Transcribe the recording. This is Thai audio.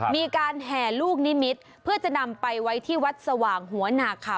มีการแห่ลูกนิมิตรเพื่อจะนำไปไว้ที่วัดสว่างหัวหนาขา